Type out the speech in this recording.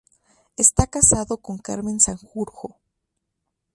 Está casado con Carmen Sanjurjo.